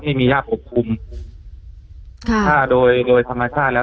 ไม่มีย่าปกคลุมค่ะถ้าโดยโดยสมาธิภาพแล้ว